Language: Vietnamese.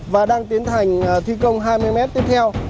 và đang tiến hành thi công hai mươi m tiếp theo